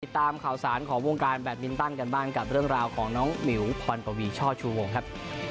ตามข่าวสารของวงการแบตมินตันกันบ้างกับเรื่องราวของน้องหมิวพรปวีช่อชูวงครับ